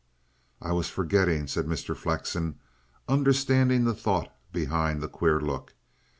"I was forgetting," said Mr. Flexen, understanding the thought behind the queer look.